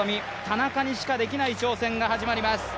田中にしかできない挑戦が始まります。